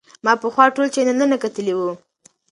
ما پخوا ټول چینلونه کتلي وو.